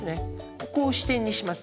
ここを支点にします。